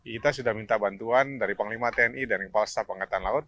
kita sudah minta bantuan dari panglima tni dan kepala staf angkatan laut